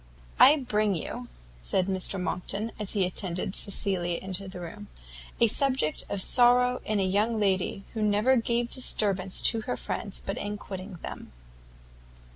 "I bring you," said Mr Monckton, as he attended Cecilia into the room, "a subject of sorrow in a young lady who never gave disturbance to her friends but in quitting them."